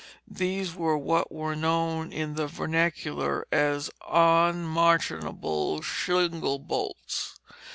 These were what were known in the vernacular as "on marchantable shingle bolts."